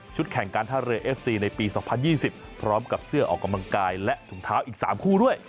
แข่งการท่าเรือเอฟซีในปี๒๐๒๐พร้อมกับเสื้อออกกำลังกายและถุงเท้าอีก๓คู่ด้วย